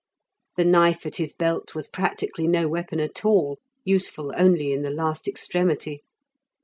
The knife at his belt was practically no weapon at all, useful only in the last extremity.